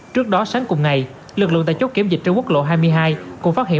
trước đó sáng cùng ngày lực lượng tại chốt kiểm dịch trên quốc lộ hai mươi hai cũng phát hiện